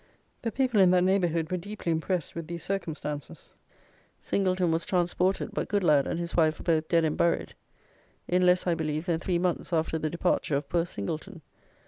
The people in that neighbourhood were deeply impressed with these circumstances. Singleton was transported; but Goodlad and his wife were both dead and buried, in less, I believe, than three months after the departure of poor Singleton.